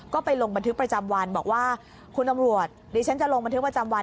ก็ไปลงบันทึกประจำวันบอกว่าคุณตำรวจดิฉันจะลงบันทึกประจำวัน